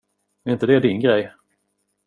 Är inte det din grej?